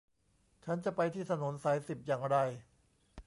ฉันจะไปที่ถนนสายสิบอย่างไร